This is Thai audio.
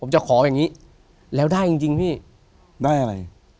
ผมจะขออย่างนี้แล้วได้จริงพี่ได้อะไร